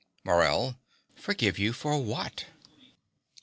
MORELL. Forgive you for what?